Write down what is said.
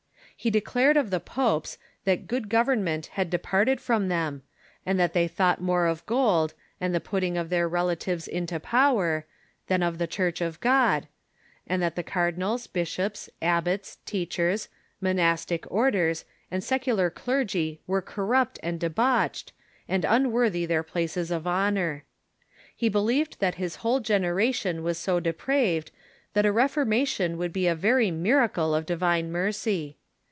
He declared of the popes that good government had departed from them, and that they thought more of gold, and the putting of their rel atives into power, than of the Church of God ; and that the cardinals, bishops, abbots, teachers, monastic orders, and sec ular clergy were corrupt and debauched, and unworthy their places of honor. He believed that his whole generation Avas so depraved that a reformation would be a very miracle of divine mercy.